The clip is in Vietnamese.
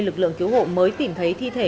lực lượng cứu hộ mới tìm thấy thi thể